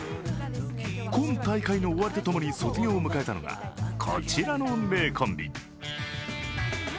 今大会の終わりと共に卒業を迎えたのが、こちらの名コンビ。